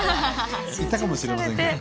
行ったかもしれませんけど。